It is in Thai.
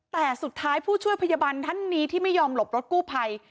แต่สุดท้ายผู้ช่วยพยาบาลท่านนี้ที่ไม่ยอมหลบรถกู้ภัย